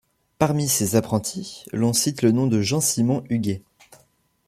Parmi ses apprentis l'on cite le nom de Jean-Simon Huguet.